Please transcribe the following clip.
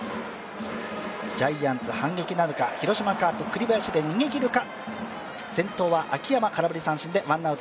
ジャイアンツ繁劇なるか広島カープ、栗林で逃げ切るか。